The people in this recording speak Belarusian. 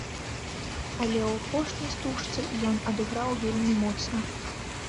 Але ў апошняй стужцы ён адыграў вельмі моцна.